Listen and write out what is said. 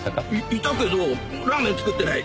いたけどラーメン作ってない。